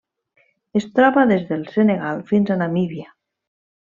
Es troba des del Senegal fins a Namíbia.